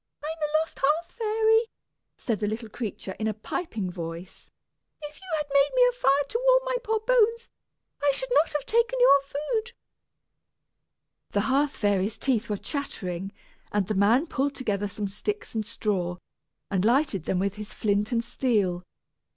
"I'm a lost hearth fairy," said the little creature, in a piping voice. "If you had made me a fire to warm my poor bones, I should not have taken your food." The hearth fairy's teeth were chattering, and the man pulled together some sticks and straw, and lighted them with his flint and steel.